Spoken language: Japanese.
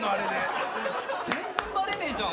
全然バレねえじゃん！